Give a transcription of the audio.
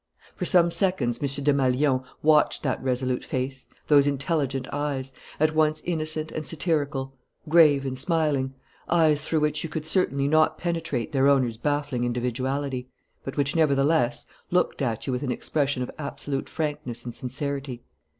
For some seconds M. Desmalions watched that resolute face, those intelligent eyes, at once innocent and satirical, grave and smiling, eyes through which you could certainly not penetrate their owner's baffling individuality, but which nevertheless looked at you with an expression of absolute frankness and sincerity.